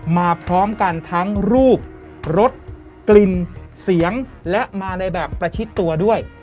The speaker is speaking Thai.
พร้อมกันทั้งรูปรสกลิ่นเสียงและมาในแบบประชิดตัวด้วย